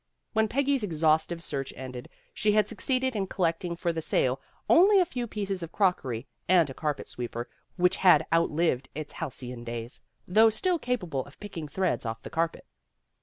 When Peggy's exhaustive search ended, she had succeeded in collecting for the sale only a few pieces of crockery and a carpet sweeper which had outlived its halcyon days, though still capable of picking threads off the carpet.